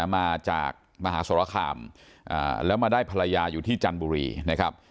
มาจากมหาสรคามแล้วมาได้ภรรยาอยู่ที่จันทบุรีนะครับ